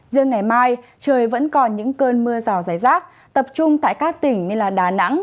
riêng ngày mai trời vẫn còn những cơn mưa rào rải rác tập trung tại các tỉnh như đà nẵng